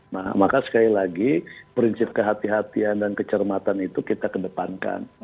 nah maka sekali lagi prinsip kehatian kehatian dan kecermatan itu kita kedepankan